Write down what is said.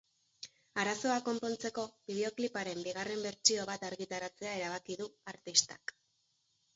Arazoa konpontzeko, bideokliparen bigarren bertsio bat argitaratzea erabaki du artistak.